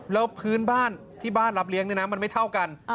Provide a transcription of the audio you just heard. แล้วพื้นบ้านที่บ้านรับเลี้ยงเนี่ยนะมันไม่เท่ากัน